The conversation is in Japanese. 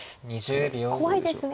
怖いですね。